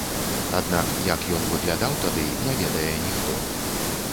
Аднак як ён выглядаў тады, не ведае ніхто.